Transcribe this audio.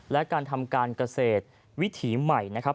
และการทำการเกษตรวิถีใหม่นะครับ